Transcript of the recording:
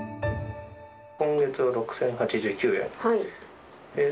今月は６０８９円。